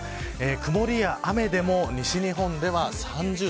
曇りや雨でも西日本では３０度。